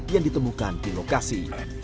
yang ditemukan di lokasi